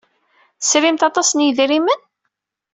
Tesrimt aṭas n yidrimen?